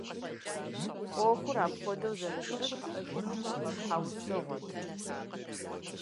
Ӏуэхур апхуэдэу зэрыщытым и щхьэусыгъуэт.